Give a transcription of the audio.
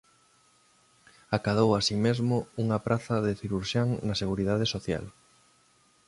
Acadou así mesmo unha praza de cirurxián na Seguridade Social.